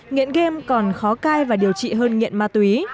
nghiện game còn khó cai và điều trị hơn nghiện ma túy